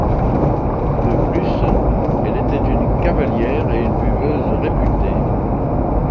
De plus, elle était une cavalière et une buveuse réputée.